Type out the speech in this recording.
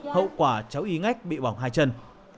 hậu quả cháu y ngách bị bỏng hai chân